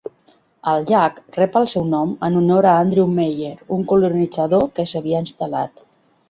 El llac rep el seu nom en honor a Andrew Meyer, un colonitzador que s'hi havia instal·lat.